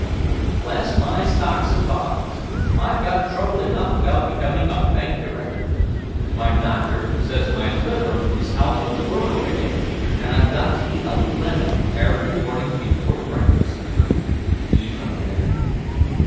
"Bless my stocks and bonds! I've got trouble enough without becoming a bank director. My doctor says my liver is out of order again, and I've got to eat a lemon every morning before breakfast." "Eat a lemon?"